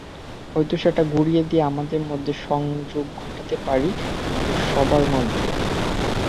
হয়তো সেটা ঘুরিয়ে দিয়ে আমাদের মধ্যে সংযোগ ঘটাতে পারি, আমাদের সবার মধ্যে।